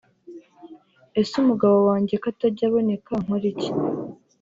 Ese umugabo wanjye ko atajya aboneka nkore iki